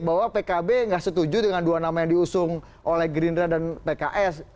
bahwa pkb nggak setuju dengan dua nama yang diusung oleh gerindra dan pks